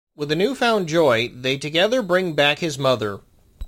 With a newfound joy, they together bring back his mother.